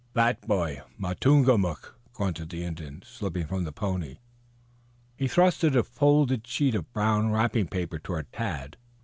"Fat boy Matungamook," grunted the Indian, slipping from the pony. He thrust a folded sheet of brown wrapping paper toward Tad.